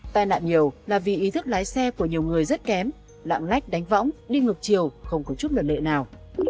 tai nạn nhiều là vì ý thức lái xe của nhiều người rất kém lạng lách đánh võng đi ngược chiều không có chút lợn lệ nào